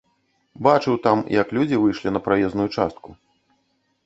Бачыў там, як людзі выйшлі на праезную частку.